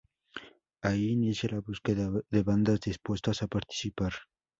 Ahí inicia la búsqueda de bandas dispuestas a participar.